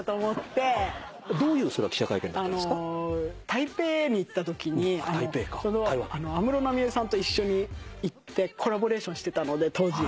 台北に行ったときに安室奈美恵さんと一緒に行ってコラボレーションしてたので当時。